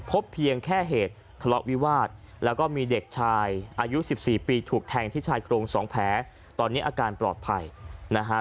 เพียงแค่เหตุทะเลาะวิวาสแล้วก็มีเด็กชายอายุ๑๔ปีถูกแทงที่ชายโครงสองแผลตอนนี้อาการปลอดภัยนะฮะ